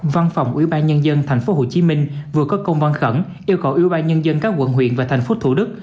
văn phòng ủy ban nhân dân thành phố hồ chí minh vừa có công văn khẩn yêu cầu ủy ban nhân dân các quận huyện và thành phố thủ đức